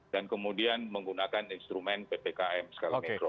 dan kemudian menggunakan instrumen ppkm skala mikro